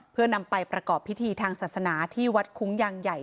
เพื่อนำไปประกอบพิธีทางศาสนาที่วัดคุ้งยางใหญ่